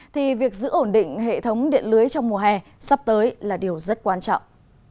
thì việc giữ ổn định hệ thống điện lưới trong mùa hè sắp tới là điều rất quan trọng